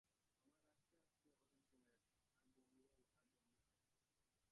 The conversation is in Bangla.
আমার আস্তে আস্তে ওজন কমে যাচ্ছে আর বমি ভাব আর বমি হয়।